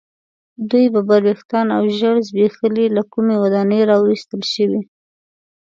دوی ببر ویښتان او ژیړ زبیښلي له کومې ودانۍ را ویستل شول.